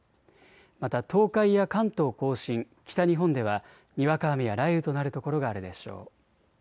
また東海や関東甲信、北日本ではにわか雨や雷雨となる所があるでしょう。